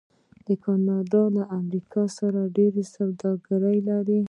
کاناډا له امریکا سره ډیره سوداګري لري.